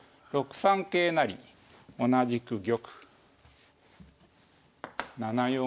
６三桂成同じく玉７四